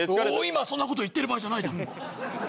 今はそんな事言ってる場合じゃないだろ。